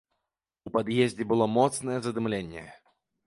У пад'ездзе было моцнае задымленне.